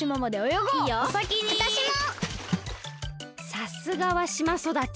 さすがはしまそだち。